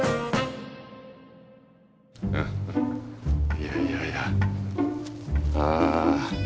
いやいやいやあ。